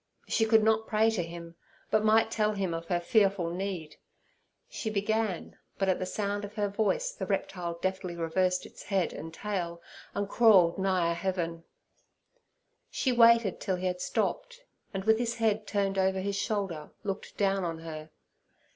She could not pray to him, but might tell him of her fearful need. She began, but at the sound of her voice the reptile deftly reversed his head and tail, and crawled nigher heaven. She waited till he had stopped, and, with his head turned over his shoulder, looked down on her.